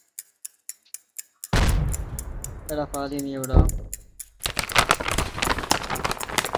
I think he thought I was going to be an usher.